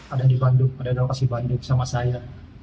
ada di bandung ada yang kasih bandung sama saya